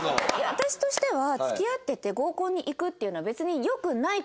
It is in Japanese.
私としては付き合ってて合コンに行くっていうのは別によくない事ではない。